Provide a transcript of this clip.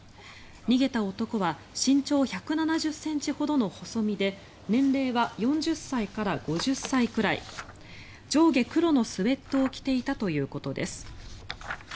逃げた男は身長１７０ｃｍほどの細身で年齢は４０歳から５０歳くらい上下黒のスウェットを着ていたということです。